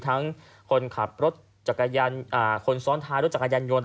ทั้งคนซ้อนท้ายรถจักรยานยนต์